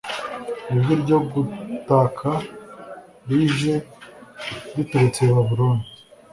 ijwi ryo gutaka rije riturutse i babuloni